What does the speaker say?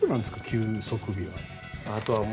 休息日は。